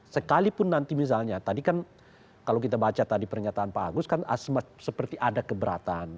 sekalipun nanti misalnya tadi kan kalau kita baca tadi pernyataan pak agus kan seperti ada keberatan